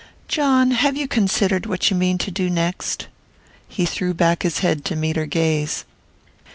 "John, have you considered what you mean to do next?" He threw back his head to meet her gaze.